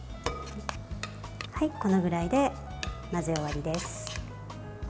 このぐらいで混ぜ終わりです。